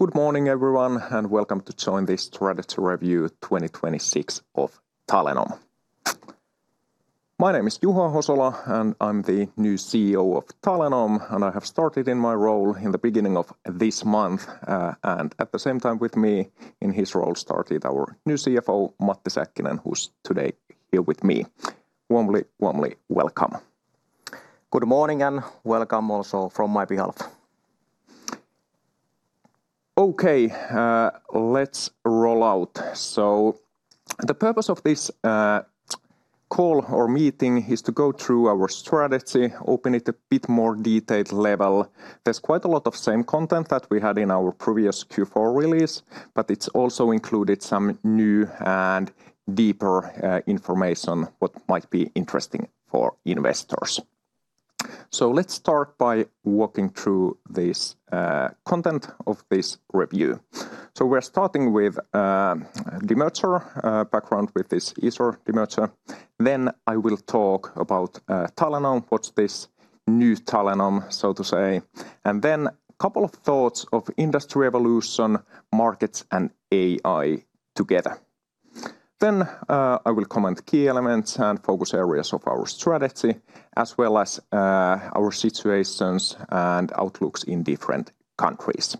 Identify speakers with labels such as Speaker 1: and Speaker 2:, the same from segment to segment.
Speaker 1: Good morning, everyone, and welcome to join this strategy review 2026 of Talenom. My name is Juho Ahosola, and I'm the new CEO of Talenom, and I have started in my role in the beginning of this month. At the same time with me in his role started our new CFO, Matti Säkkinen, who's today here with me. Warmly welcome.
Speaker 2: Good morning, and welcome also from my behalf.
Speaker 1: Okay, let's roll out. The purpose of this call or meeting is to go through our strategy, open it a bit more detailed level. There's quite a lot of same content that we had in our previous Q4 release, but it's also included some new and deeper information what might be interesting for investors. Let's start by walking through this content of this review. We're starting with demerger background with this Easor demerger. I will talk about Talenom, what's this new Talenom, so to say. Couple of thoughts of industry evolution, markets and AI together. I will comment key elements and focus areas of our strategy as well as our situations and outlooks in different countries.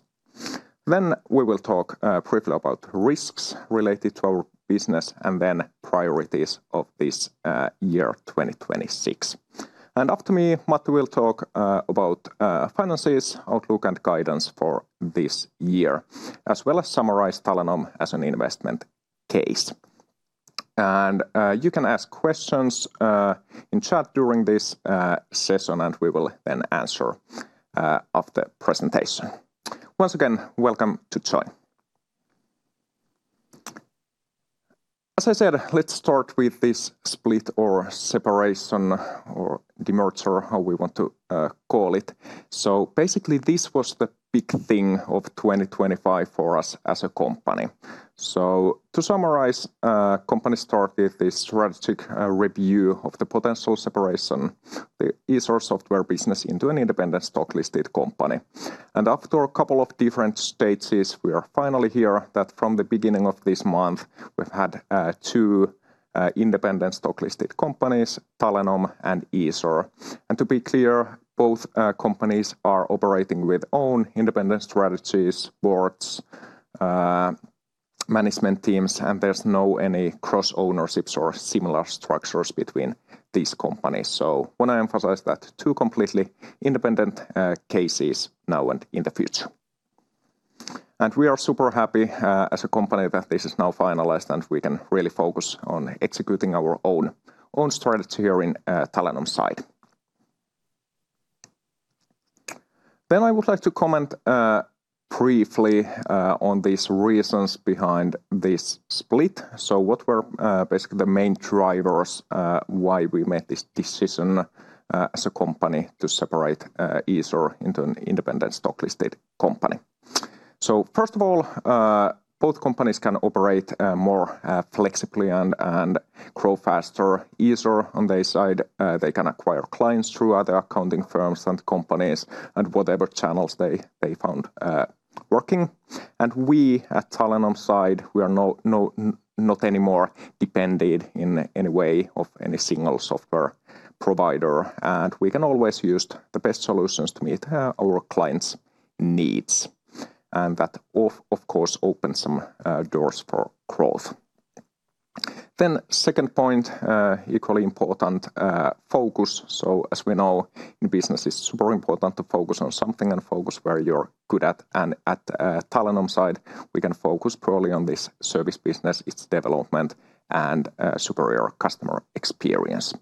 Speaker 1: We will talk briefly about risks related to our business and then priorities of this year 2026. After me, Matti will talk about finances, outlook and guidance for this year as well as summarize Talenom as an investment case. You can ask questions in chat during this session, and we will then answer after presentation. Once again, welcome to join. As I said, let's start with this split or separation or demerger, how we want to call it. Basically, this was the big thing of 2025 for us as a company. To summarize, company started this strategic review of the potential separation, the Easor software business into an independent stock-listed company. After a couple of different stages, we are finally here that from the beginning of this month, we've had two independent stock-listed companies, Talenom and Easor. To be clear, both companies are operating with own independent strategies, boards, management teams, and there's no any cross-ownerships or similar structures between these companies. Wanna emphasize that two completely independent cases now and in the future. We are super happy as a company that this is now finalized, and we can really focus on executing our own strategy here in Talenom's side. I would like to comment briefly on these reasons behind this split. What were basically the main drivers why we made this decision as a company to separate Easor into an independent stock-listed company? First of all, both companies can operate more flexibly and grow faster. Easor on their side, they can acquire clients through other accounting firms and companies and whatever channels they find working. We at Talenom's side, we are not anymore dependent in any way of any single software provider, and we can always use the best solutions to meet our clients' needs. That of course opens some doors for growth. Second point, equally important, focus. As we know in business, it's super important to focus on something and focus where you're good at. At Talenom's side, we can focus purely on this service business, its development and superior customer experience.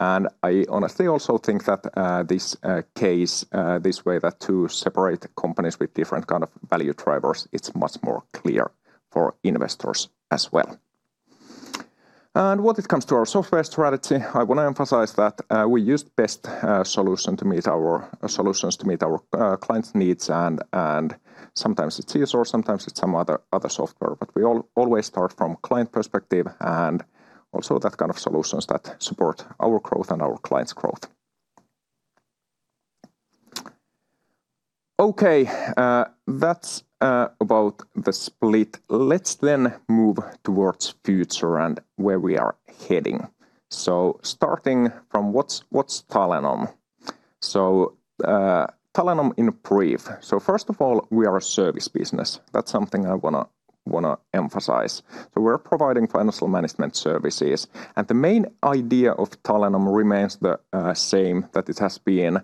Speaker 1: I honestly also think that this case this way that two separate companies with different kind of value drivers, it's much more clear for investors as well. When it comes to our software strategy, I want to emphasize that we use best solutions to meet our clients' needs and sometimes it's Easor, sometimes it's some other software. We always start from client perspective and also that kind of solutions that support our growth and our clients' growth. Okay, that's about the split. Let's then move toward future and where we are heading. Starting from what's Talenom? Talenom in brief. First of all, we are a service business. That's something I wanna emphasize. We're providing financial management services, and the main idea of Talenom remains the same that it has been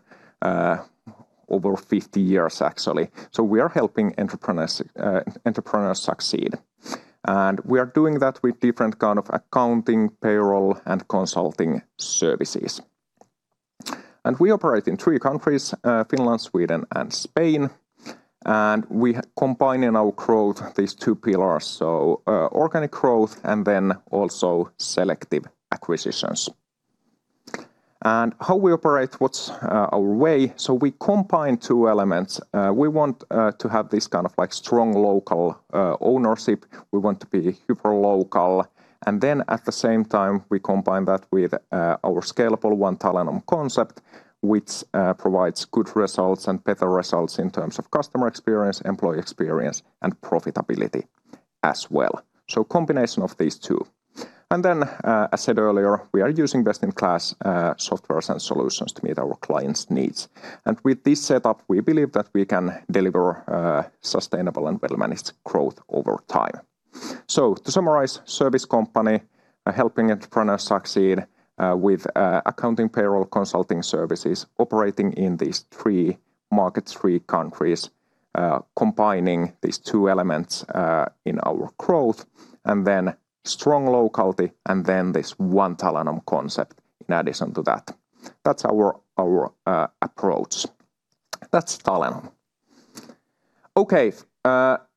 Speaker 1: over 50 years actually. We are helping entrepreneurs succeed, and we are doing that with different kind of accounting, payroll, and consulting services. We operate in three countries, Finland, Sweden, and Spain, and we combine in our growth these two pillars, organic growth and then also selective acquisitions. How we operate, what's our way? We combine two elements. We want to have this kind of like strong local ownership. We want to be hyper local. Then at the same time, we combine that with our scalable One Talenom concept, which provides good results and better results in terms of customer experience, employee experience, and profitability as well. Combination of these two. I said earlier, we are using best-in-class, softwares and solutions to meet our clients' needs. With this setup, we believe that we can deliver, sustainable and well-managed growth over time. To summarize, service company, helping entrepreneurs succeed, with accounting, payroll consulting services operating in these three markets, three countries, combining these two elements, in our growth, and then strong locality, and then this One Talenom concept in addition to that. That's our approach. That's Talenom.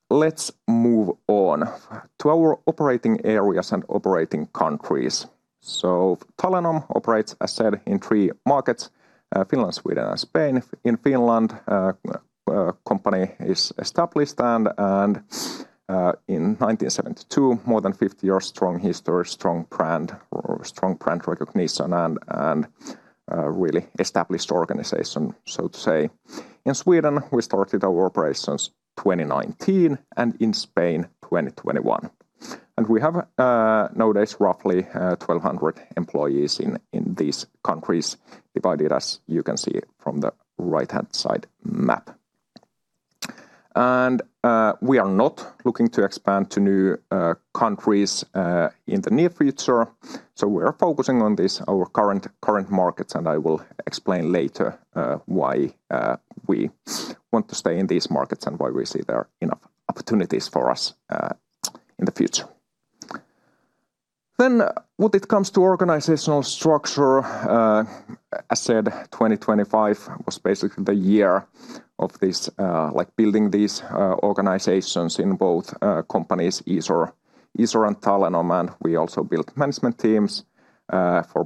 Speaker 1: Let's move on to our operating areas and operating countries. Talenom operates, I said, in three markets, Finland, Sweden, and Spain. In Finland, company is established and in 1972, more than 50 years strong history, strong brand recognition and really established organization, so to say. In Sweden, we started our operations 2019, and in Spain, 2021. We have nowadays roughly 1,200 employees in these countries, divided as you can see from the right-hand side map. We are not looking to expand to new countries in the near future. We're focusing on this, our current markets, and I will explain later why we want to stay in these markets and why we see there are enough opportunities for us in the future. When it comes to organizational structure, I said 2025 was basically the year of this like building these organizations in both companies, Easor and Talenom. We also built management teams for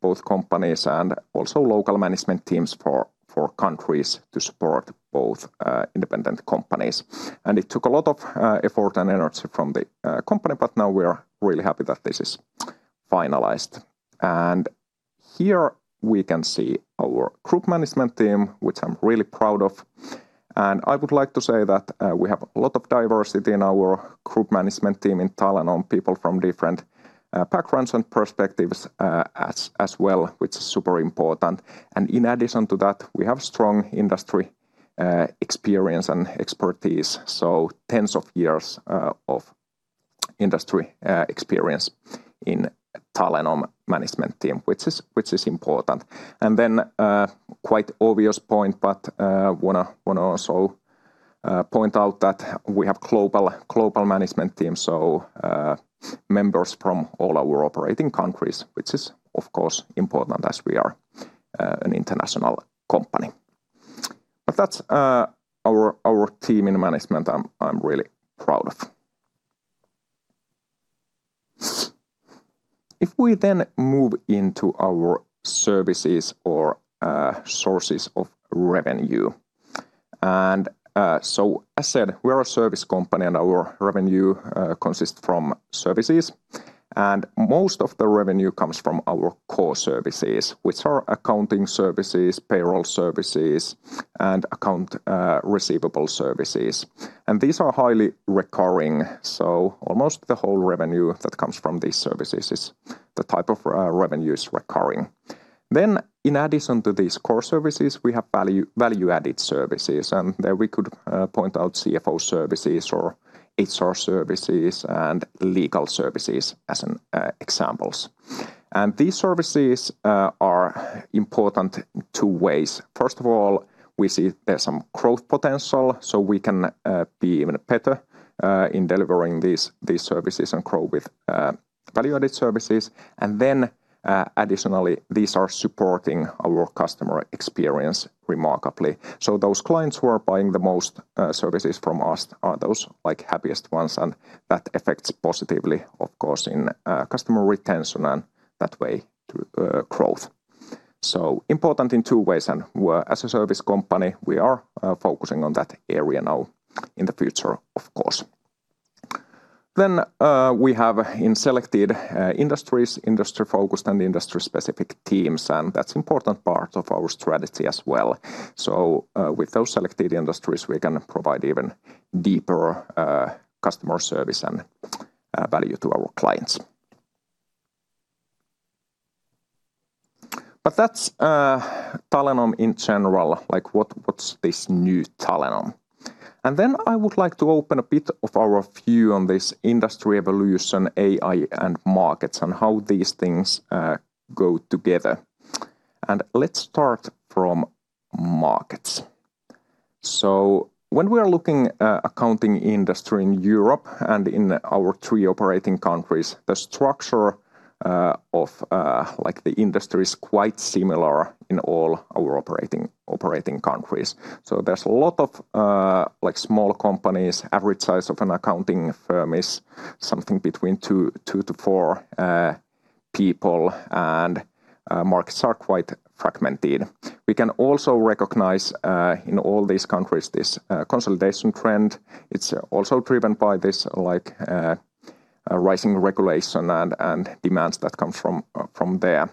Speaker 1: both companies and also local management teams for countries to support both independent companies. It took a lot of effort and energy from the company, but now we are really happy that this is finalized. Here we can see our group management team, which I'm really proud of. I would like to say that we have a lot of diversity in our group management team in Talenom, people from different backgrounds and perspectives as well, which is super important. In addition to that, we have strong industry experience and expertise, so tens of years of industry experience in Talenom management team, which is important. Then, quite obvious point, but wanna also point out that we have global management team, members from all our operating countries, which is of course important as we are an international company. That's our management team I'm really proud of. If we then move into our services or sources of revenue. As said, we're a service company, and our revenue consists of services. Most of the revenue comes from our core services, which are accounting services, payroll services, and accounts receivable services. These are highly recurring, so almost the whole revenue that comes from these services is the type of recurring revenue. In addition to these core services, we have value-added services, and there we could point out CFO services, HR services and legal services as examples. These services are important in two ways. First of all, we see there's some growth potential, so we can be even better in delivering these services and grow with value-added services. Additionally, these are supporting our customer experience remarkably. Those clients who are buying the most services from us are those, like, happiest ones, and that affects positively, of course, in customer retention and that way to growth. Important in two ways, and as a service company, we are focusing on that area now in the future, of course. We have in selected industries, industry-focused and industry-specific teams, and that's important part of our strategy as well. With those selected industries, we can provide even deeper customer service and value to our clients. That's Talenom in general. Like what's this new Talenom? I would like to open a bit of our view on this industry evolution, AI, and markets, and how these things go together. Let's start from markets. When we are looking at the accounting industry in Europe and in our three operating countries, the structure of like the industry is quite similar in all our operating countries. There's a lot of like small companies. Average size of an accounting firm is something between 2-4 people, and markets are quite fragmented. We can also recognize in all these countries this consolidation trend. It's also driven by this like a rising regulation and demands that come from there.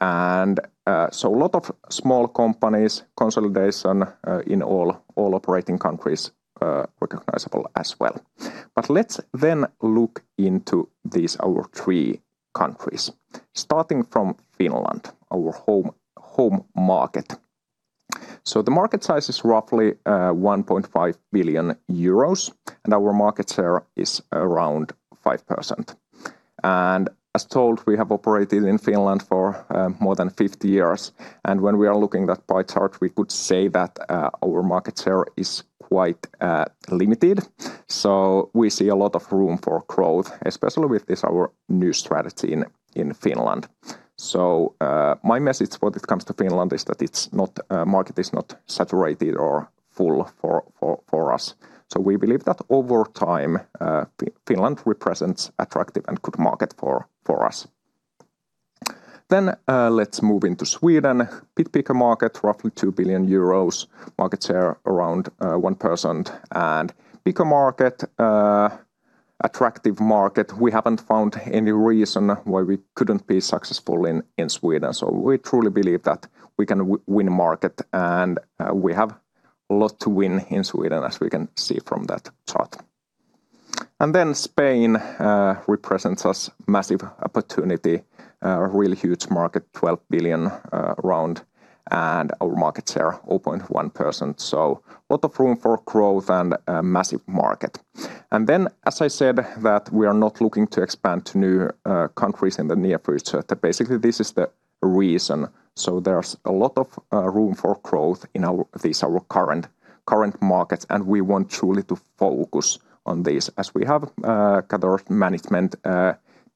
Speaker 1: A lot of small companies consolidation in all operating countries recognizable as well. Let's then look into our three countries. Starting from Finland, our home market. The market size is roughly 1.5 billion euros, and our market share is around 5%. As told, we have operated in Finland for more than 50 years, and when we are looking at that pie chart, we could say that our market share is quite limited. We see a lot of room for growth, especially with our new strategy in Finland. My message when it comes to Finland is that it's not. The market is not saturated or full for us. We believe that over time, Finland represents an attractive and good market for us. Let's move into Sweden. A bit bigger market, roughly 2 billion euros. Market share around 1%. Bigger market, attractive market. We haven't found any reason why we couldn't be successful in Sweden. We truly believe that we can win market, and we have a lot to win in Sweden, as we can see from that chart. Spain represents us massive opportunity. A really huge market, 12 billion around, and our market share 0.1%. A lot of room for growth and a massive market. As I said, we are not looking to expand to new countries in the near future. Basically, this is the reason. There's a lot of room for growth in our. These are our current markets, and we want truly to focus on this, as we have gathered management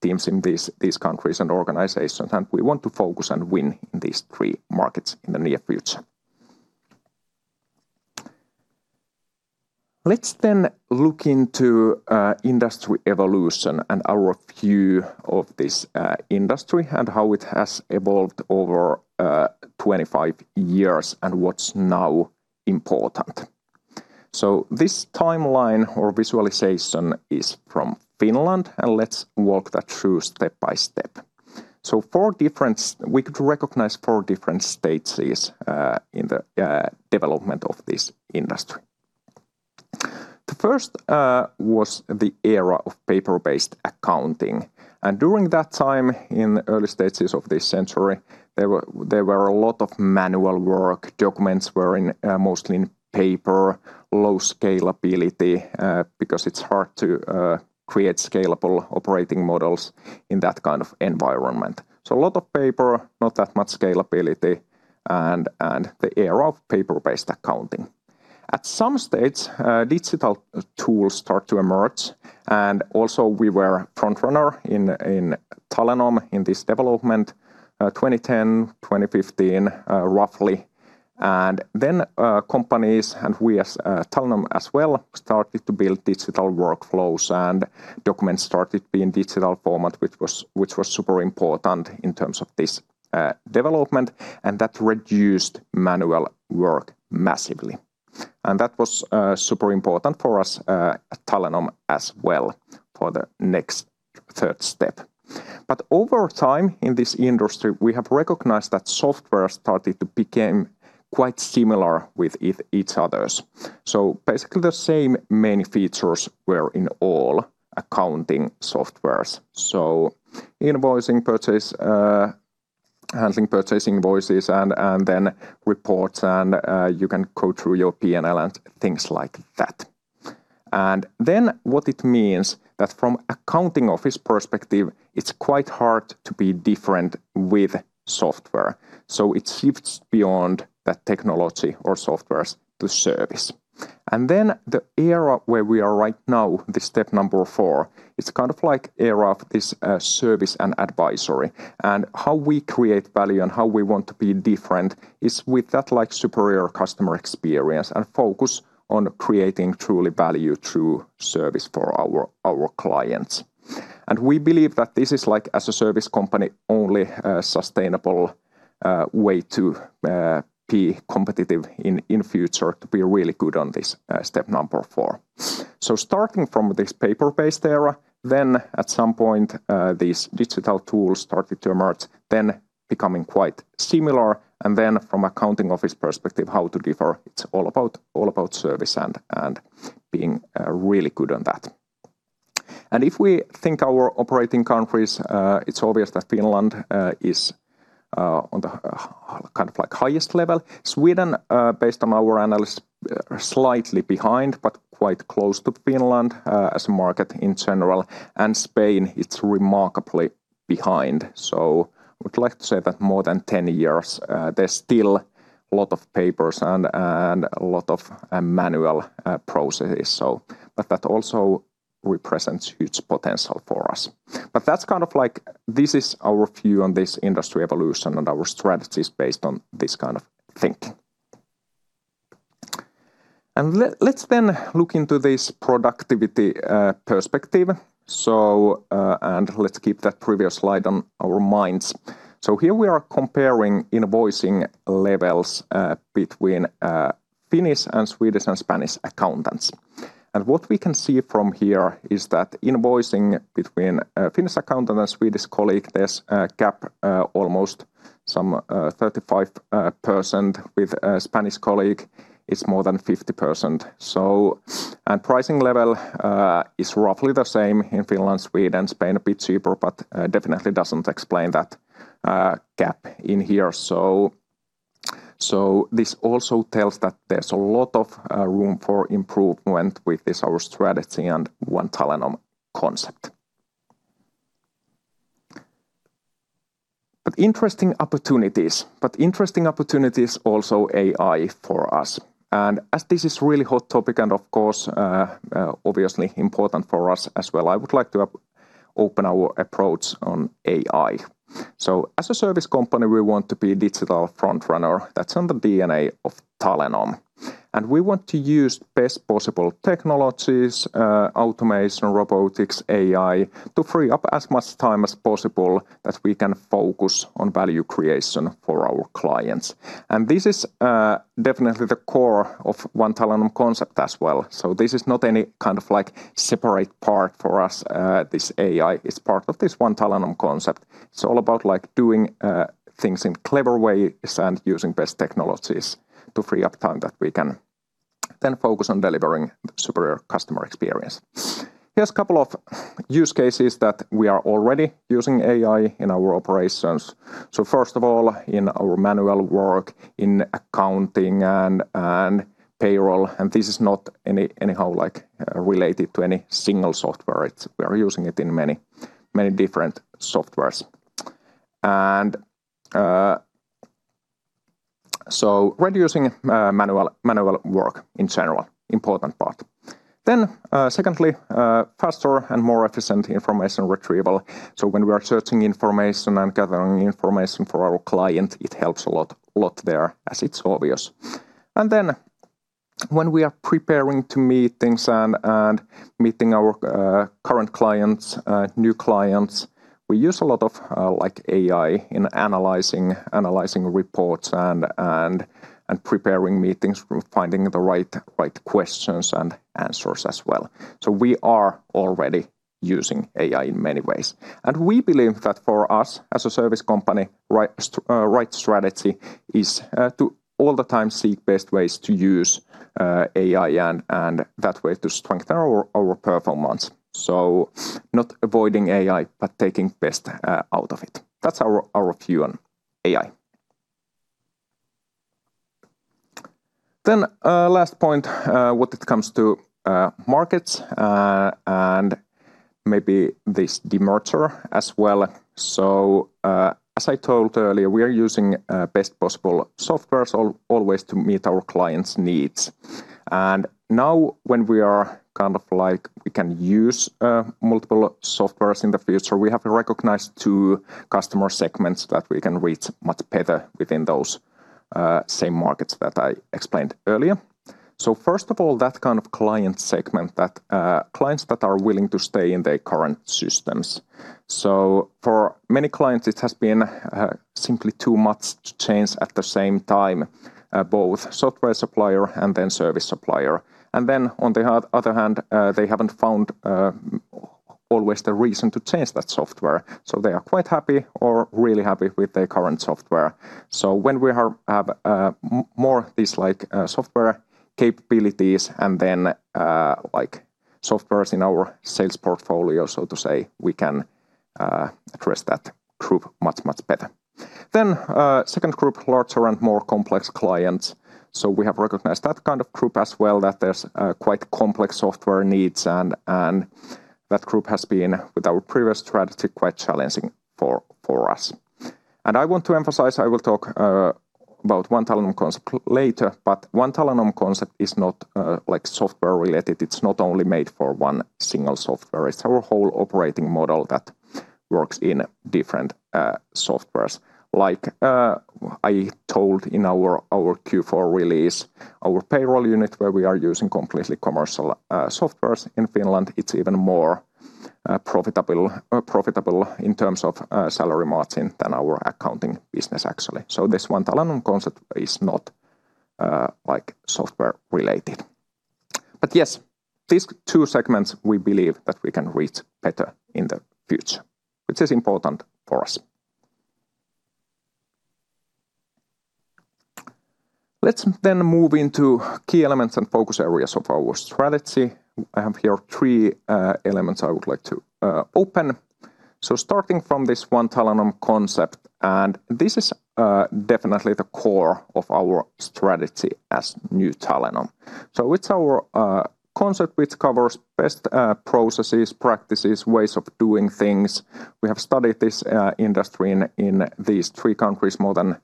Speaker 1: teams in these countries and organizations, and we want to focus and win in these three markets in the near future. Let's then look into industry evolution and our view of this industry and how it has evolved over 25 years and what's now important. This timeline or visualization is from Finland, and let's walk that through step by step. We could recognize four different stages in the development of this industry. The first was the era of paper-based accounting. During that time, in early stages of this century, there were a lot of manual work. Documents were mostly in paper. Low scalability, because it's hard to create scalable operating models in that kind of environment. A lot of paper, not that much scalability and the era of paper-based accounting. At some stage, digital tools start to emerge. We were front runner in Talenom in this development, 2010, 2015, roughly. Companies and we as Talenom as well started to build digital workflows, and documents started being digital format, which was super important in terms of this development, and that reduced manual work massively. That was super important for us at Talenom as well for the next third step. Over time in this industry, we have recognized that software started to become quite similar with each other. Basically the same main features were in all accounting softwares. Invoicing purchase, handling purchasing invoices and then reports and you can go through your P&L and things like that. What it means that from accounting office perspective, it's quite hard to be different with software. It shifts beyond the technology or softwares to service. The era where we are right now, the step number four, it's kind of like era of this, service and advisory. How we create value and how we want to be different is with that like superior customer experience and focus on creating true value through service for our clients. We believe that this is like, as a service company, only a sustainable way to be competitive in future, to be really good on this step number four. Starting from this paper-based era, then at some point, these digital tools started to emerge, then becoming quite similar. Then from accounting office perspective, how to differ, it's all about service and being really good on that. If we think our operating countries, it's obvious that Finland is on the kind of like highest level. Sweden, based on our analysis, slightly behind, but quite close to Finland, as a market in general. Spain, it's remarkably behind. I would like to say that more than 10 years, there's still a lot of papers and a lot of manual processes. That also represents huge potential for us. That's kind of like this is our view on this industry evolution and our strategies based on this kind of thinking. Let's then look into this productivity perspective. Let's keep that previous slide on our minds. Here we are comparing invoicing levels between Finnish and Swedish and Spanish accountants. What we can see from here is that invoicing between Finnish accountant and a Swedish colleague, there's a gap almost 35%. With a Spanish colleague, it's more than 50%. Pricing level is roughly the same in Finland, Sweden. Spain a bit cheaper, but definitely doesn't explain that gap in here. This also tells that there's a lot of room for improvement with this our strategy and One Talenom concept. Interesting opportunities. Interesting opportunities also AI for us. As this is really a hot topic and of course obviously important for us as well, I would like to open our approach on AI. As a service company, we want to be a digital front runner. That's on the DNA of Talenom. We want to use best possible technologies, automation, robotics, AI, to free up as much time as possible that we can focus on value creation for our clients. This is definitely the core of One Talenom concept as well. This is not any kind of, like, separate part for us. This AI is part of this One Talenom concept. It's all about, like, doing things in clever ways and using best technologies to free up time that we can then focus on delivering superior customer experience. Here's a couple of use cases that we are already using AI in our operations. First of all, in our manual work, in accounting and payroll, and this is not anyhow, like, related to any single software. It's we are using it in many different softwares. Reducing manual work in general, important part. Secondly, faster and more efficient information retrieval. When we are searching information and gathering information for our client, it helps a lot there as it's obvious. When we are preparing to meetings and meeting our current clients, new clients, we use a lot of, like AI in analyzing reports and preparing meetings, finding the right questions and answers as well. We are already using AI in many ways. We believe that for us, as a service company, right strategy is to all the time seek best ways to use AI and that way to strengthen our performance. Not avoiding AI, but taking best out of it. That's our view on AI. Last point when it comes to markets and maybe this demerger as well. As I told earlier, we are using best possible software always to meet our clients' needs. Now when we are kind of like we can use multiple software in the future, we have recognized two customer segments that we can reach much better within those same markets that I explained earlier. First of all, that kind of client segment that clients that are willing to stay in their current systems. For many clients, it has been simply too much to change at the same time both software supplier and then service supplier. On the other hand, they haven't always found the reason to change that software. They are quite happy or really happy with their current software. When we have more of these like software capabilities and then like softwares in our sales portfolio, so to say, we can address that group much better. Second group, larger and more complex clients. We have recognized that kind of group as well, that there's quite complex software needs and that group has been, with our previous strategy, quite challenging for us. I want to emphasize, I will talk about One Talenom concept later, but One Talenom concept is not like software-related. It's not only made for one single software. It's our whole operating model that works in different softwares. Like I told in our Q4 release, our payroll unit where we are using completely commercial softwares in Finland, it's even more profitable in terms of salary margin than our accounting business actually. This One Talenom concept is not like software-related. Yes, these two segments we believe that we can reach better in the future, which is important for us. Let's then move into key elements and focus areas of our strategy. I have here three elements I would like to open. Starting from this One Talenom concept, this is definitely the core of our strategy as new Talenom. It's our concept which covers best processes, practices, ways of doing things. We have studied this industry in these three countries more than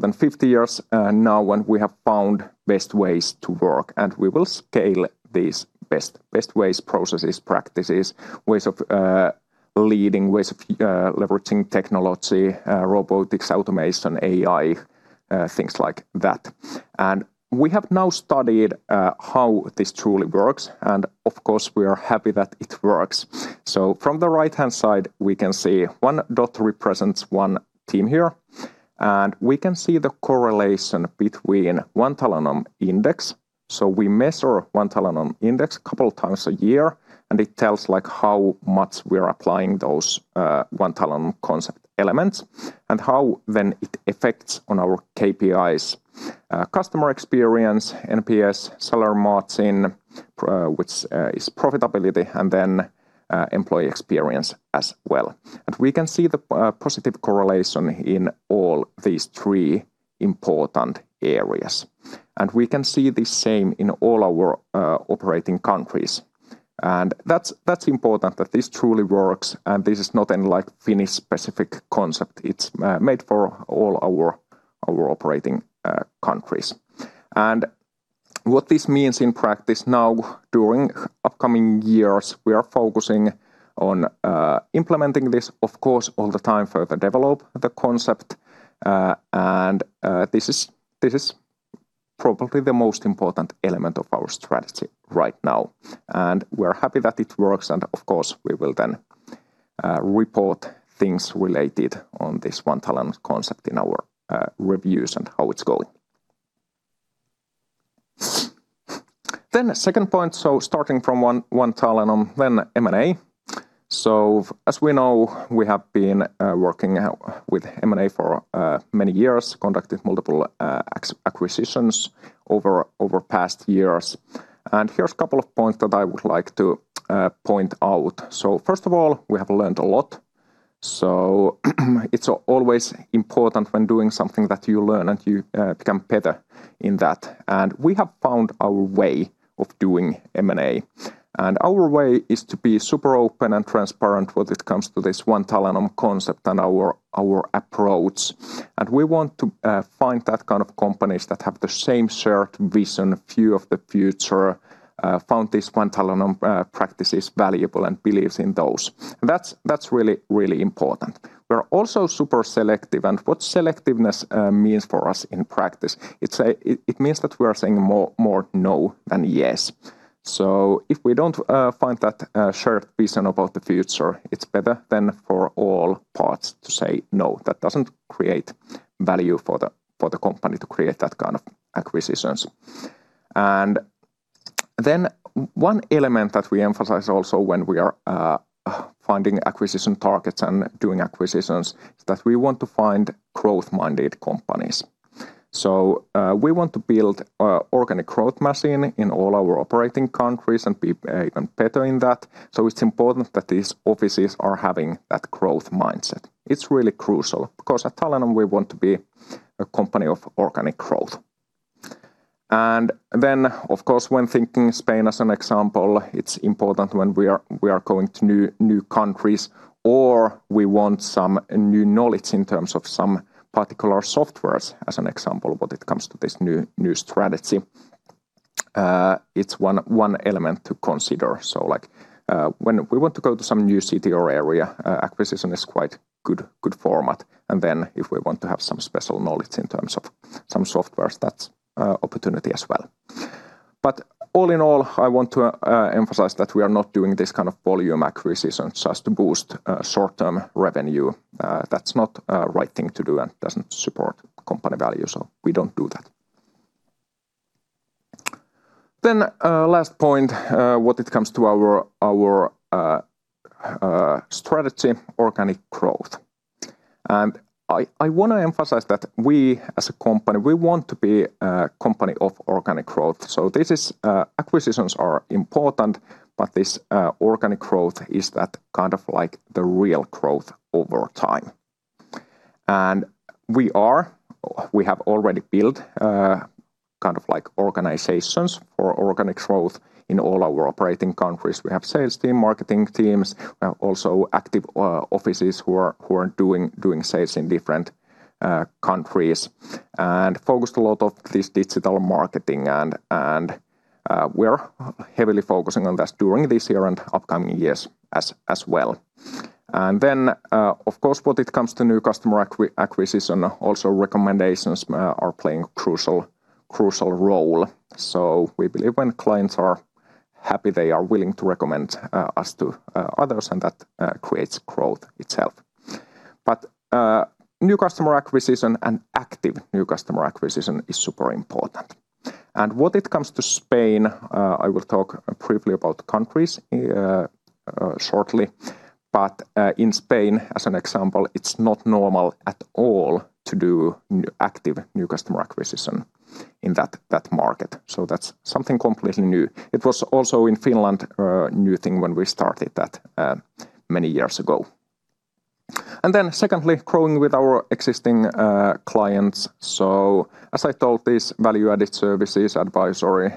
Speaker 1: 50 years. Now when we have found best ways to work, we will scale these best ways, processes, practices, ways of leading, ways of leveraging technology, robotics, automation, AI, things like that. We have now studied how this truly works, and of course, we are happy that it works. From the right-hand side, we can see one dot represents one team here. We can see the correlation between One Talenom index. We measure One Talenom index couple times a year, and it tells, like, how much we're applying those, One Talenom concept elements and how then it affects on our KPIs, customer experience, NPS, salary margin, which is profitability, and then employee experience as well. We can see the positive correlation in all these three important areas, and we can see the same in all our operating countries. That's important that this truly works, and this is not any, like, Finnish-specific concept. It's made for all our operating countries. What this means in practice now during upcoming years, we are focusing on implementing this, of course, all the time further develop the concept. This is probably the most important element of our strategy right now, and we're happy that it works. Of course, we will then report things related to this One Talenom concept in our reviews and how it's going. Second point, starting from One Talenom, then M&A. As we know, we have been working with M&A for many years, conducted multiple acquisitions over past years, and here's a couple of points that I would like to point out. First of all, we have learned a lot, so it's always important when doing something that you learn, and you become better in that. We have found our way of doing M&A, and our way is to be super open and transparent when it comes to this One Talenom concept and our approach. We want to find that kind of companies that have the same shared vision, view of the future, found this One Talenom practices valuable and believes in those. That's really important. We're also super selective, and what selectiveness means for us in practice, it means that we are saying more no than yes. If we don't find that shared vision about the future, it's better than for all parties to say no. That doesn't create value for the company to create that kind of acquisitions. One element that we emphasize also when we are finding acquisition targets and doing acquisitions is that we want to find growth-minded companies. We want to build a organic growth machine in all our operating countries and be even better in that, so it's important that these offices are having that growth mindset. It's really crucial because at Talenom, we want to be a company of organic growth. Of course, when thinking Spain as an example, it's important when we are going to new countries, or we want some new knowledge in terms of some particular softwares as an example when it comes to this new strategy. It's one element to consider, so, like, when we want to go to some new city or area, acquisition is quite good format. Then if we want to have some special knowledge in terms of some softwares, that's opportunity as well. All in all, I want to emphasize that we are not doing this kind of volume acquisitions just to boost short-term revenue. That's not a right thing to do and doesn't support company value, so we don't do that. Last point, when it comes to our strategy, organic growth. I wanna emphasize that we as a company, we want to be a company of organic growth, so this is. Acquisitions are important, but this organic growth is that kind of, like, the real growth over time. We have already built kind of like organizations for organic growth in all our operating countries. We have sales team, marketing teams. We have active offices who are doing sales in different countries and focused a lot on this digital marketing, and we're heavily focusing on this during this year and upcoming years as well. Of course, when it comes to new customer acquisition, recommendations are playing a crucial role. We believe when clients are happy, they are willing to recommend us to others, and that creates growth itself. New customer acquisition and active new customer acquisition is super important. When it comes to Spain, I will talk briefly about countries shortly. In Spain, as an example, it's not normal at all to do active new customer acquisition in that market, so that's something completely new. It was also in Finland a new thing when we started that, many years ago. Then secondly, growing with our existing, clients. As I told this, value-added services, advisory,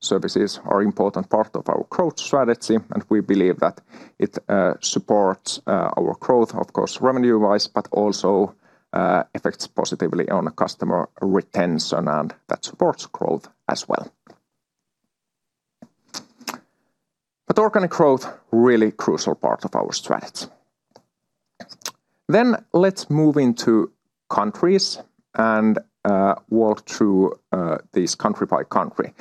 Speaker 1: services are important part of our growth strategy, and we believe that it, supports, our growth, of course, revenue-wise, but also, affects positively on customer retention, and that supports growth as well. Organic growth, really crucial part of our strategy. Let's move into countries. Walk through this country by country.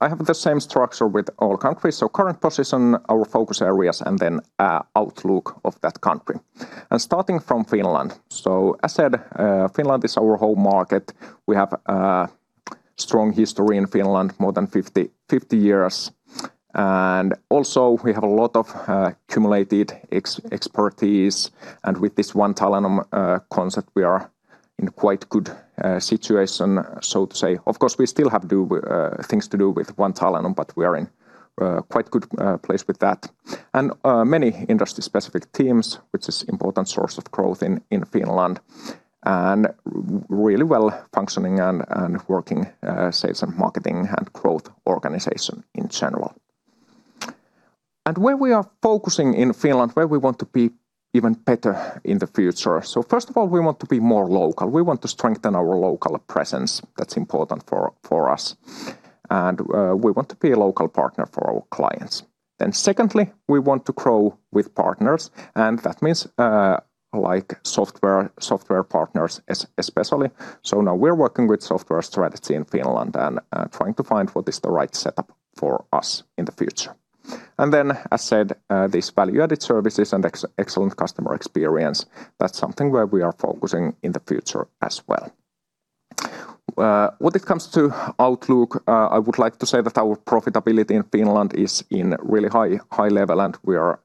Speaker 1: I have the same structure with all countries. Current position, our focus areas, and then, outlook of that country. Starting from Finland. As said, Finland is our home market. We have, strong history in Finland, more than 50 years. Also, we have a lot of, accumulated expertise. With this One Talenom concept, we are in quite good situation, so to say. Of course, we still have things to do with One Talenom, but we are in a quite good place with that. Many industry-specific teams, which is important source of growth in Finland, and really well-functioning and working sales and marketing and growth organization in general. Where we are focusing in Finland, where we want to be even better in the future. First of all, we want to be more local. We want to strengthen our local presence. That's important for us. We want to be a local partner for our clients. Secondly, we want to grow with partners, and that means like software partners especially. Now we're working with software strategy in Finland and trying to find what is the right setup for us in the future. As said, this value-added services and excellent customer experience, that's something where we are focusing in the future as well. When it comes to outlook, I would like to say that our profitability in Finland is in really high level, and we are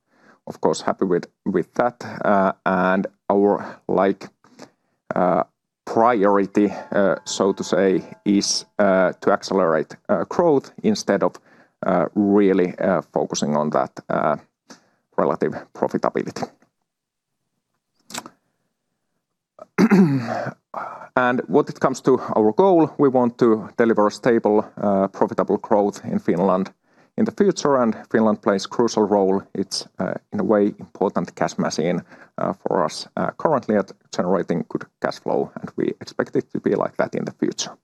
Speaker 1: of course happy with that. Our like priority, so to say, is to accelerate growth instead of really focusing on that relative profitability. When it comes to our goal, we want to deliver stable profitable growth in Finland in the future, and Finland plays crucial role. It's in a way important cash machine for us currently generating good cash flow, and we expect it to be like that in the future.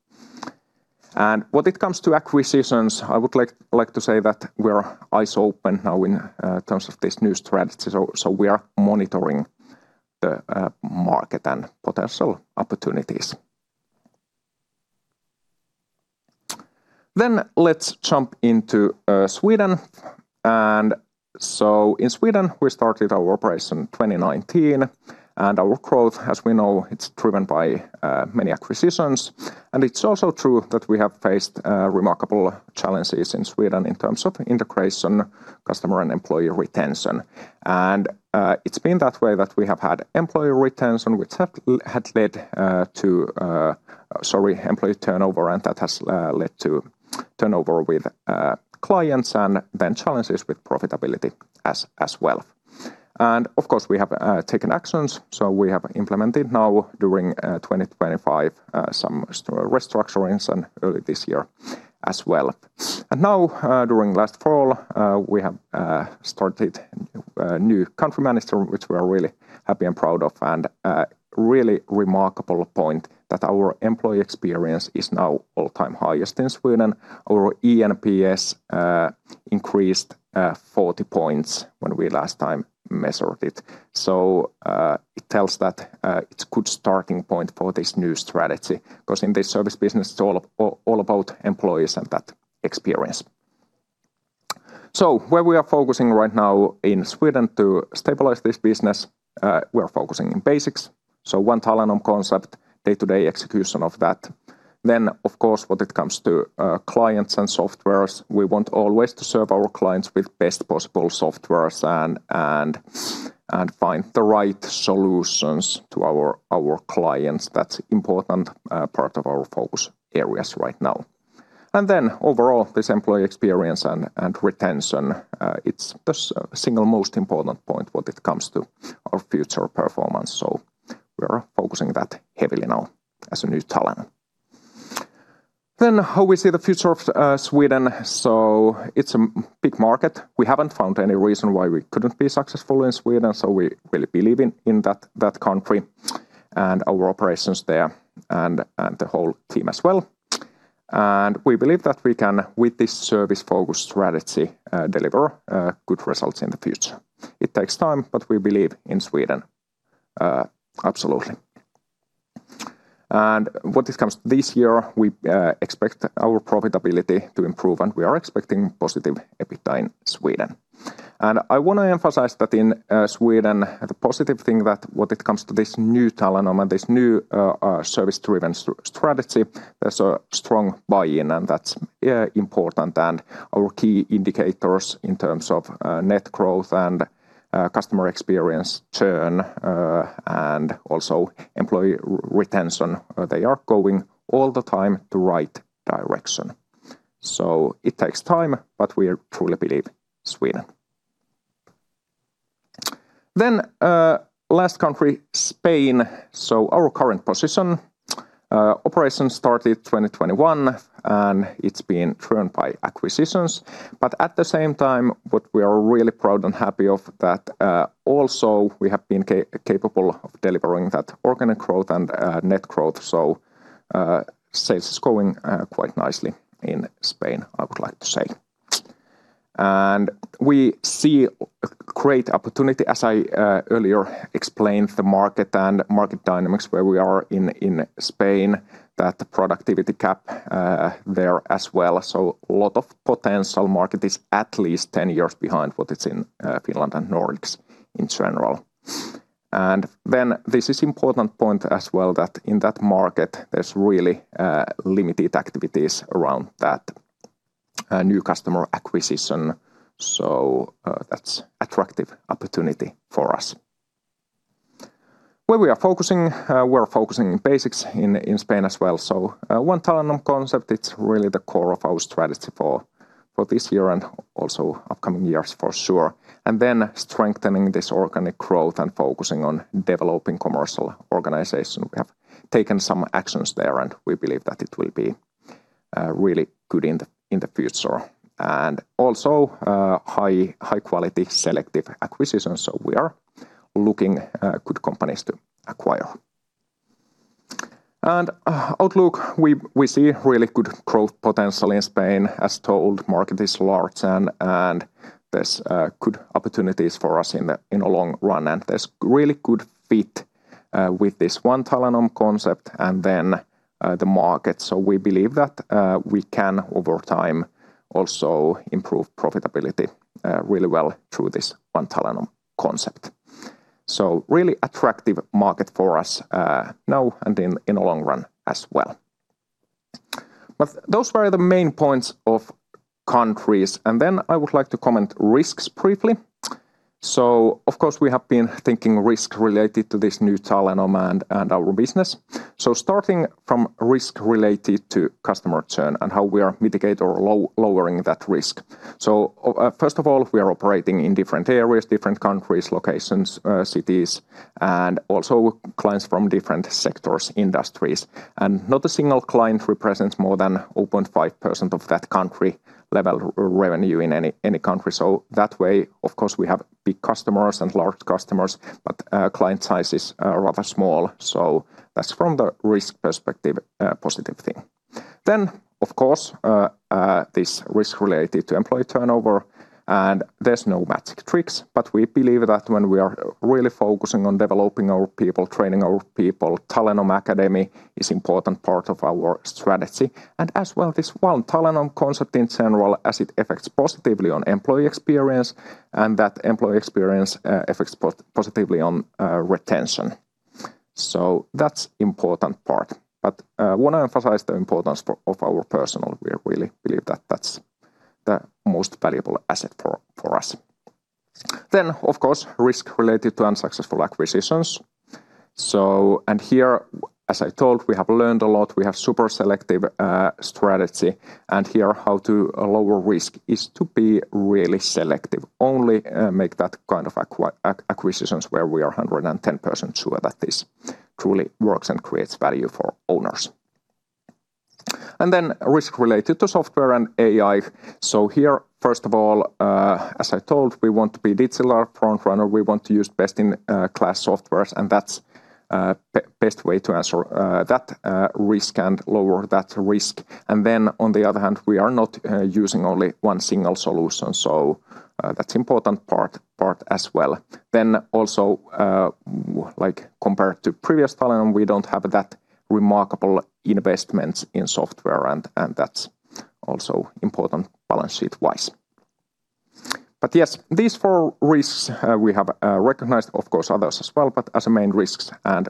Speaker 1: When it comes to acquisitions, I would like to say that we're eyes open now in terms of this new strategy. We are monitoring the market and potential opportunities. Let's jump into Sweden. In Sweden, we started our operation in 2019, and our growth, as we know, it's driven by many acquisitions. It's also true that we have faced remarkable challenges in Sweden in terms of integration, customer, and employee retention. It's been that way that we have had employee retention, which had led to. Sorry, employee turnover, and that has led to turnover with clients and then challenges with profitability as well. Of course, we have taken actions, so we have implemented now during 2025 some restructurings and early this year as well. Now, during last fall, we have started new country management, which we are really happy and proud of, and a really remarkable point that our employee experience is now all-time highest in Sweden. Our eNPS increased 40 points when we last time measured it. It tells that it's good starting point for this new strategy 'cause in this service business, it's all about employees and that experience. Where we are focusing right now in Sweden to stabilize this business, we are focusing on basics, so One Talenom concept, day-to-day execution of that. Of course, when it comes to clients and software, we want always to serve our clients with best possible software and find the right solutions to our clients. That's important part of our focus areas right now. Overall, this employee experience and retention, it's the single most important point when it comes to our future performance. We are focusing that heavily now as a new talent. How we see the future of Sweden. It's a big market. We haven't found any reason why we couldn't be successful in Sweden, so we really believe in that country and our operations there and the whole team as well. We believe that we can, with this service-focused strategy, deliver good results in the future. It takes time, but we believe in Sweden absolutely. When it comes to this year, we expect our profitability to improve, and we are expecting positive EBITDA in Sweden. I wanna emphasize that in Sweden, the positive thing that when it comes to this new Talenom and this new service-driven strategy, there's a strong buy-in, and that's important. Our key indicators in terms of net growth and customer experience churn and also employee retention. They are going all the time the right direction. It takes time, but we truly believe in Sweden. Last country, Spain. Our current position. Operation started 2021, and it's been driven by acquisitions. At the same time, what we are really proud and happy of that, also we have been capable of delivering that organic growth and, net growth. Sales is going, quite nicely in Spain, I would like to say. We see a great opportunity as I, earlier explained the market and market dynamics where we are in Spain that the productivity gap, there as well. A lot of potential market is at least 10 years behind what it's in, Finland and Nordics in general. This is important point as well that in that market, there's really, limited activities around that, new customer acquisition. That's attractive opportunity for us. Where we are focusing, we are focusing basics in Spain as well. One Talenom concept, it's really the core of our strategy for this year and also upcoming years for sure. Strengthening this organic growth and focusing on developing commercial organization. We have taken some actions there, and we believe that it will be really good in the future. High quality selective acquisitions. We are looking good companies to acquire. Outlook, we see really good growth potential in Spain. As told, market is large and there's good opportunities for us in the long run, and there's really good fit with this One Talenom concept and then the market. We believe that we can over time also improve profitability really well through this One Talenom concept. Really attractive market for us, now and in the long run as well. Those were the main points of countries. I would like to comment risks briefly. Of course, we have been thinking risks related to this new Talenom and our business. Starting from risk related to customer churn and how we are mitigate or lowering that risk. First of all, we are operating in different areas, different countries, locations, cities, and also clients from different sectors, industries. Not a single client represents more than 0.5% of that country level revenue in any country. That way, of course, we have big customers and large customers, but client size is rather small. That's from the risk perspective, a positive thing. Of course, this risk related to employee turnover, and there's no magic tricks. We believe that when we are really focusing on developing our people, training our people, Talenom Academy is important part of our strategy. As well this One Talenom concept in general as it affects positively on employee experience and that employee experience affects positively on retention. That's important part. Wanna emphasize the importance of our personnel. We really believe that that's the most valuable asset for us. Risk related to unsuccessful acquisitions. Here, as I told, we have learned a lot. We have super selective strategy, and here how to lower risk is to be really selective. Only make that kind of acquisitions where we are 110% sure that this truly works and creates value for owners. Risk related to software and AI. First of all, as I told, we want to be digital front runner. We want to use best in class softwares, and that's best way to answer that risk and lower that risk. On the other hand, we are not using only one single solution. That's important part as well. Like compared to previous Talenom, we don't have that remarkable investments in software, and that's also important balance sheet-wise. These four risks we have recognized, of course others as well, but as main risks, and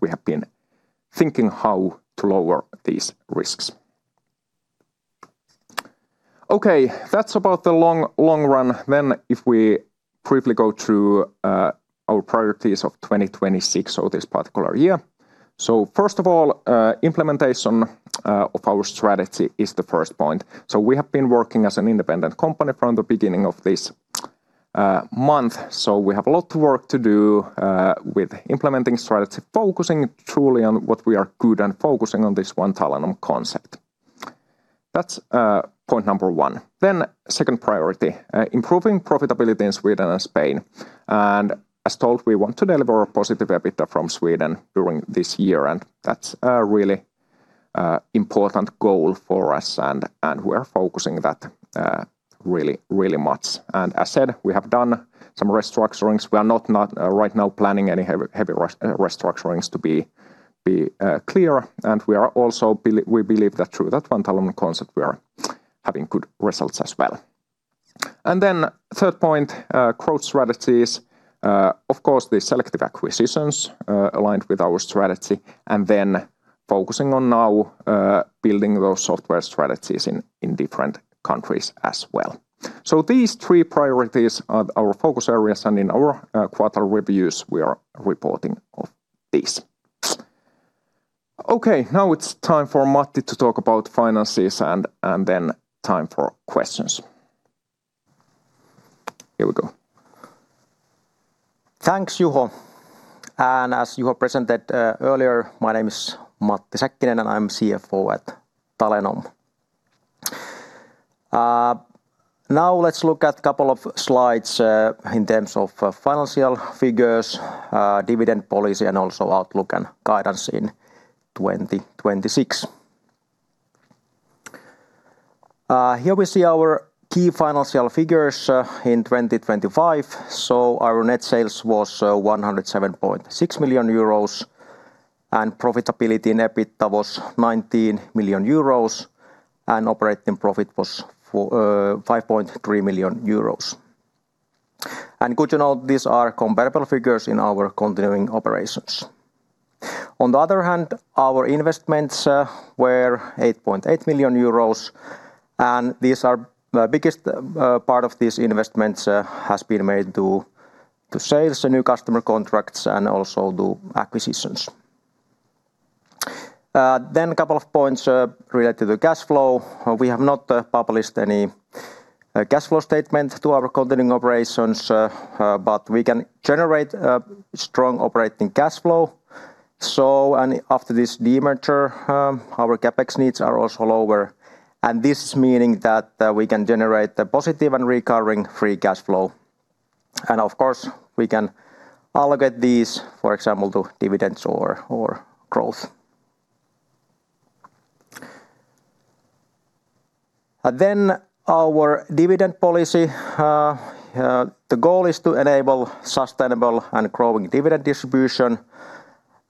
Speaker 1: we have been thinking how to lower these risks. Okay. That's about the long run. If we briefly go through our priorities of 2026, this particular year. First of all, implementation of our strategy is the first point. We have been working as an independent company from the beginning of this month, so we have a lot of work to do with implementing strategy, focusing truly on what we are good at and focusing on this One Talenom concept. That's point number one. Second priority, improving profitability in Sweden and Spain. As told, we want to deliver a positive EBITDA from Sweden during this year, and that's a really important goal for us. We are focusing on that really much. As said, we have done some restructurings. We are not right now planning any heavy restructurings to be clear. We are also believe that through that One Talenom concept, we are having good results as well. Third point, growth strategies, of course, the selective acquisitions aligned with our strategy and then focusing now on building those software strategies in different countries as well. These three priorities are our focus areas, and in our quarter reviews, we are reporting on these. Okay. Now it's time for Matti to talk about finances and then time for questions. Here we go.
Speaker 2: Thanks, Juho. As Juho presented earlier, my name is Matti Säkkinen, and I'm CFO at Talenom. Now let's look at a couple of slides in terms of financial figures, dividend policy, and also outlook and guidance in 2026. Here we see our key financial figures in 2025. Our net sales was 107.6 million euros, and profitability net EBITDA was 19 million euros, and operating profit was 5.3 million euros. Good to know these are comparable figures in our continuing operations. On the other hand, our investments were 8.8 million euros, and these are the biggest part of these investments has been made to sales, new customer contracts, and also to acquisitions. Then a couple of points related to cash flow. We have not published any cash flow statement to our continuing operations, but we can generate strong operating cash flow. After this demerger, our CapEx needs are also lower, and this means that we can generate the positive and recovering free cash flow. Of course, we can allocate these, for example, to dividends or growth. Our dividend policy. The goal is to enable sustainable and growing dividend distribution,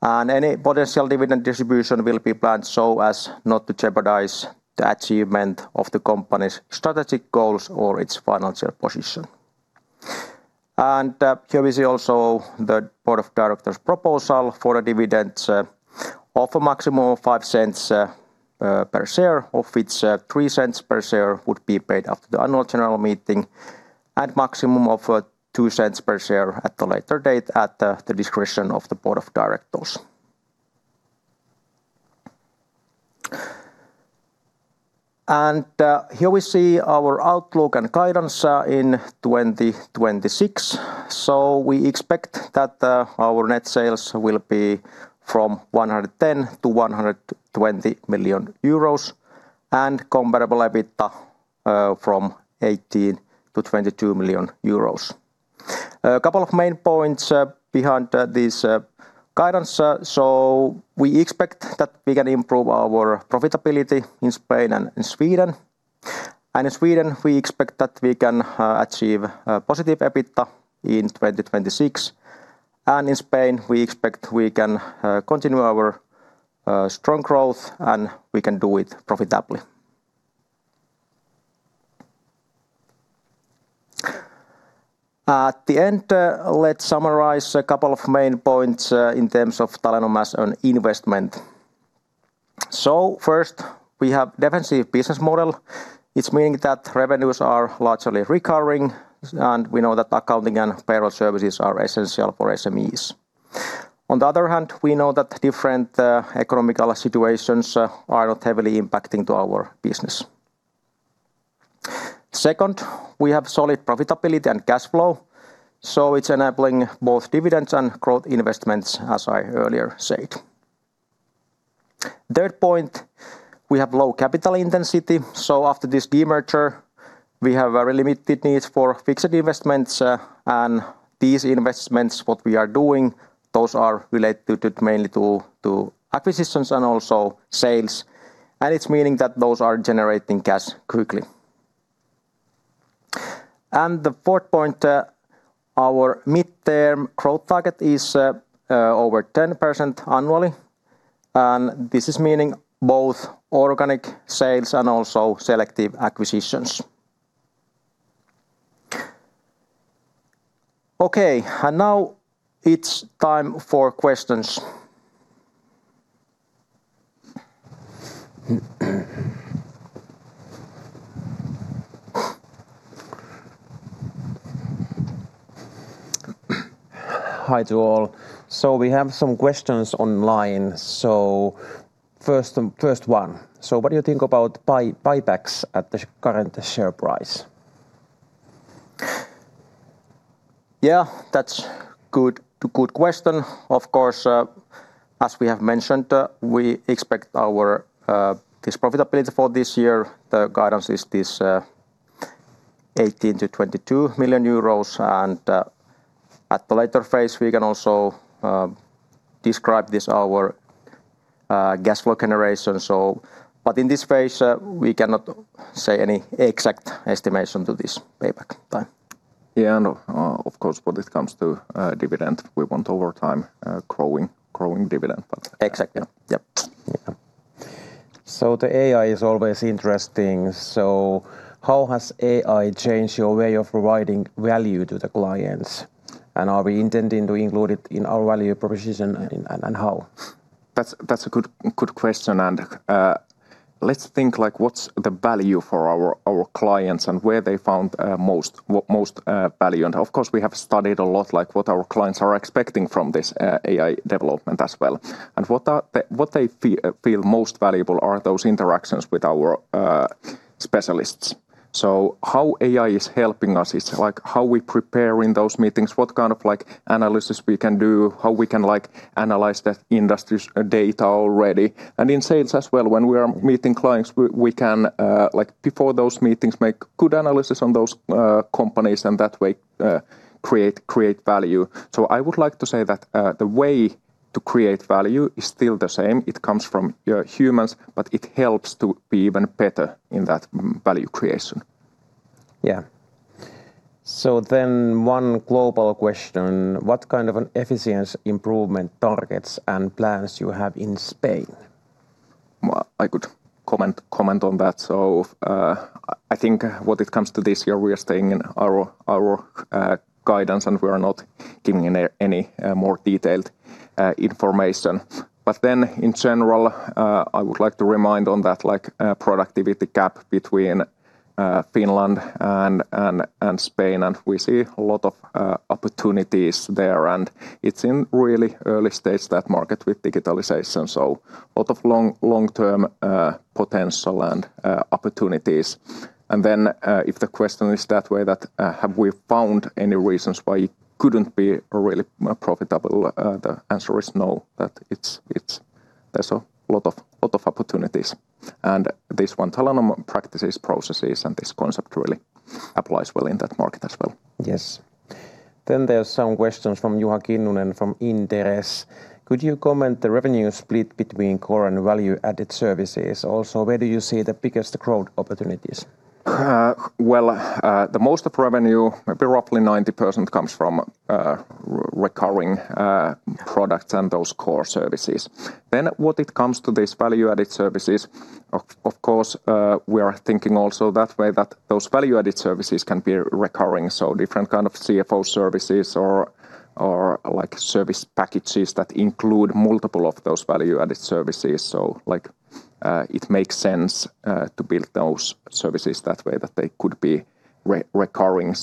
Speaker 2: and any potential dividend distribution will be planned so as not to jeopardize the achievement of the company's strategic goals or its financial position. Here we see also the board of directors' proposal for a dividend of a maximum of 0.05 per share, of which 0.03 per share would be paid after the annual general meeting at maximum of 0.02 per share at a later date at the discretion of the board of directors. Here we see our outlook and guidance in 2026. We expect that our net sales will be 110 million-120 million euros and comparable EBITDA 18 million-22 million euros. A couple of main points behind this guidance. We expect that we can improve our profitability in Spain and in Sweden. In Sweden, we expect that we can achieve positive EBITDA in 2026. In Spain, we expect we can continue our strong growth, and we can do it profitably. At the end, let's summarize a couple of main points in terms of Talenom as an investment. First, we have defensive business model. It means that revenues are largely recurring, and we know that accounting and payroll services are essential for SMEs. On the other hand, we know that different economic situations are not heavily impacting our business. Second, we have solid profitability and cash flow, so it's enabling both dividends and growth investments, as I earlier said. Third point, we have low capital intensity, so after this demerger, we have a very limited need for fixed investments. These investments what we are doing are related mainly to acquisitions and also sales. It's meaning that those are generating cash quickly. The fourth point, our midterm growth target is over 10% annually, and this is meaning both organic sales and also selective acquisitions. Okay. Now it's time for questions.
Speaker 3: Hi to all. We have some questions online. First one. What do you think about buybacks at the current share price?
Speaker 2: Yeah, that's good question. Of course, as we have mentioned, we expect our this profitability for this year. The guidance is this, 18-22 million euros. At the later phase, we can also describe this, our cash flow generation. In this phase, we cannot say any exact estimation to this payback time.
Speaker 1: Yeah. Of course, when it comes to dividend, we want over time growing dividend but-
Speaker 2: Exactly.
Speaker 1: Yep.
Speaker 2: Yeah.
Speaker 3: The AI is always interesting. How has AI changed your way of providing value to the clients? Are we intending to include it in our value proposition and how?
Speaker 1: That's a good question. Let's think like what's the value for our clients and where they find most value. Of course, we have studied a lot like what our clients are expecting from this AI development as well. What they feel most valuable are those interactions with our specialists. How AI is helping us is like how we prepare in those meetings, what kind of like analysis we can do, how we can like analyze the industry's data already. In sales as well, when we are meeting clients, we can like before those meetings, make good analysis on those companies and that way create value. I would like to say that the way to create value is still the same. It comes from humans, but it helps to be even better in that value creation.
Speaker 3: Yeah. One global question. What kind of an efficiency improvement targets and plans you have in Spain?
Speaker 1: Well, I could comment on that. I think when it comes to this year, we are staying in our guidance, and we are not giving any more detailed information. In general, I would like to remind on that, like, productivity gap between Finland and Spain, and we see a lot of opportunities there. It's in really early stage, that market, with digitalization, so lot of long-term potential and opportunities. If the question is that way, have we found any reasons why it couldn't be really profitable, the answer is no, that it's. There's a lot of opportunities. This One Talenom practices, processes, and this concept really applies well in that market as well.
Speaker 3: Yes. There's some questions from Juha Kinnunen from Inderes. Could you comment the revenue split between core and value-added services? Also, where do you see the biggest growth opportunities?
Speaker 1: The most of revenue, maybe roughly 90%, comes from recurring products and those core services. When it comes to these value-added services, of course, we are thinking also that way, that those value-added services can be recurring, so different kind of CFO services or like service packages that include multiple of those value-added services. Like, it makes sense to build those services that way, that they could be recurring.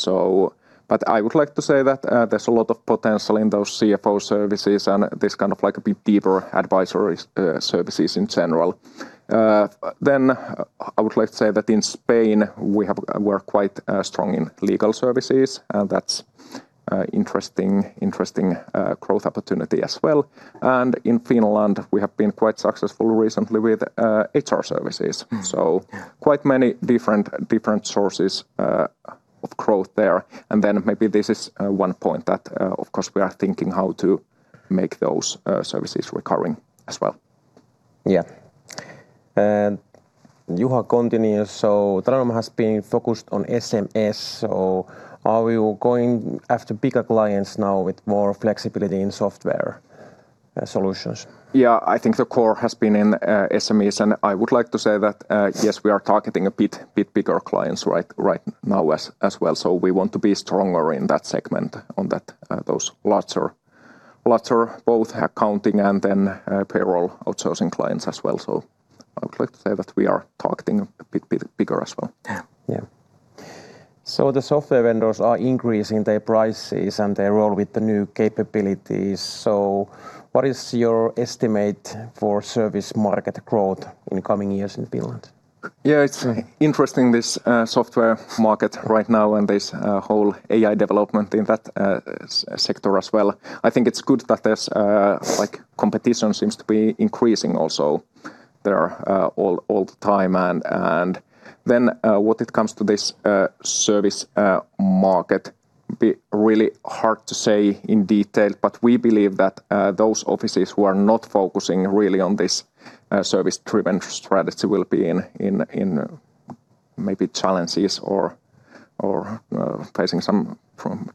Speaker 1: I would like to say that there's a lot of potential in those CFO services and this kind of like a bit deeper advisory services in general. I would like to say that in Spain we have, we're quite strong in legal services, and that's an interesting growth opportunity as well. In Finland, we have been quite successful recently with HR services.
Speaker 3: Mm-hmm. Yeah.
Speaker 1: Quite many different sources of growth there. Maybe this is one point that of course we are thinking how to make those services recurring as well.
Speaker 3: Yeah. Juha Kinnunen continues. Talenom has been focused on SMEs, so are you going after bigger clients now with more flexibility in software solutions?
Speaker 1: Yeah, I think the core has been in SMEs, and I would like to say that yes, we are targeting a bit bigger clients right now as well. We want to be stronger in that segment, those larger both accounting and then payroll outsourcing clients as well. I would like to say that we are targeting a bit bigger as well.
Speaker 3: Yeah. The software vendors are increasing their prices and their role with the new capabilities, so what is your estimate for service market growth in the coming years in Finland?
Speaker 1: Yeah, it's interesting, this software market right now and this whole AI development in that sector as well. I think it's good that there's like, competition seems to be increasing also there all the time. When it comes to this service market, it's really hard to say in detail, but we believe that those offices who are not focusing really on this service-driven strategy will be in maybe challenges or facing some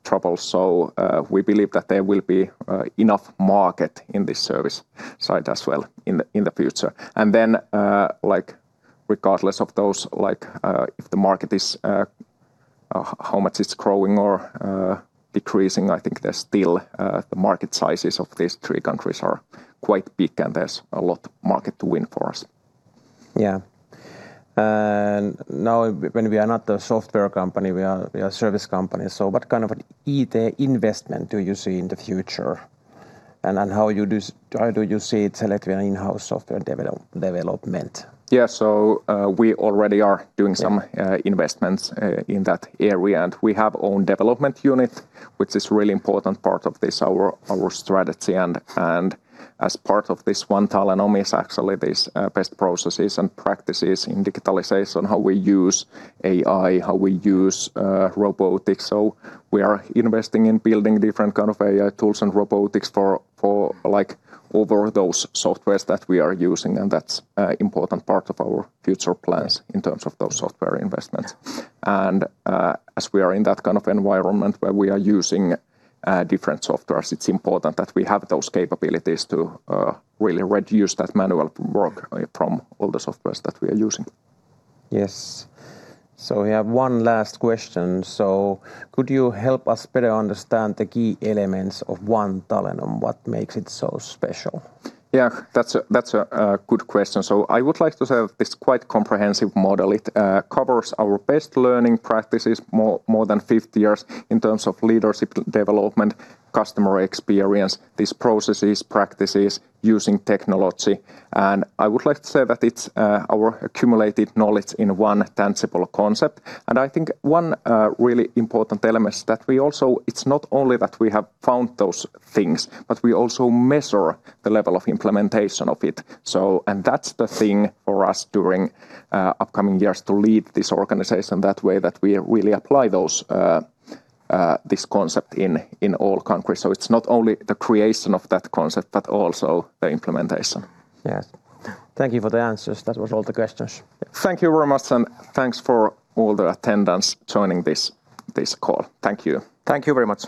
Speaker 1: problems. We believe that there will be enough market in this service side as well in the future. Like, regardless of those, like, if the market is how much it's growing or decreasing, I think there's still the market sizes of these three countries are quite big, and there's a lot of market to win for us.
Speaker 3: Yeah. Now when we are not a software company, we are a service company, so what kind of an IT investment do you see in the future, and how do you see Talenom in-house software development?
Speaker 1: Yeah. We already are doing
Speaker 3: Yeah
Speaker 1: Investments in that area, and we have own development unit, which is really important part of this, our strategy. As part of this One Talenom is actually this best processes and practices in digitalization, how we use AI, how we use robotics. We are investing in building different kind of AI tools and robotics for, like, all of those softwares that we are using, and that's an important part of our future plans in terms of those software investments. As we are in that kind of environment where we are using different softwares, it's important that we have those capabilities to really reduce that manual work from all the softwares that we are using.
Speaker 3: Yes. We have one last question. Could you help us better understand the key elements of One Talenom, what makes it so special?
Speaker 1: Yeah, that's a good question. I would like to say this quite comprehensive model. It covers our best learned practices more than 50 years in terms of leadership development, customer experience, these processes, practices using technology. I would like to say that it's our accumulated knowledge in ONE tangible concept, and I think one really important element is that we also it's not only that we have found those things, but we also measure the level of implementation of it. That's the thing for us during upcoming years to lead this organization that way, that we really apply those this concept in all countries. It's not only the creation of that concept but also the implementation.
Speaker 3: Yes. Thank you for the answers. That was all the questions.
Speaker 1: Thank you very much, and thanks for all the attendees joining this call. Thank you.
Speaker 3: Thank you very much.